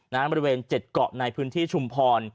บริเวณ๗เกาะในพื้นที่ชุมพร